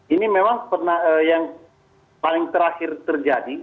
ini memang yang paling terakhir terjadi